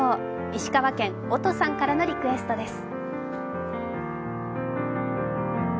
石川県おとさんからのリクエストです。